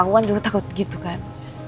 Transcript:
gue juga takut gitu kan